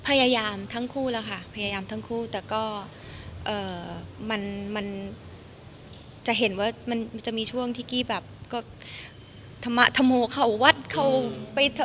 พยายามทั้งคู่แล้วค่ะพยายามทั้งคู่แต่ก็มันจะเห็นว่ามันจะมีช่วงที่กี้แบบก็ธรรมะธรโมเขาวัดเขาไปเถอะ